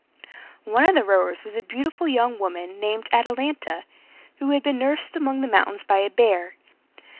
One of the rowers was a beautiful young woman, named Atalanta, who had been nursed among the mountains by a bear.